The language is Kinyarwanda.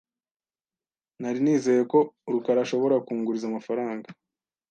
Nari nizeye ko rukaraashobora kunguriza amafaranga.